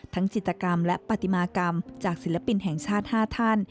จิตกรรมและปฏิมากรรมจากศิลปินแห่งชาติ๕ท่าน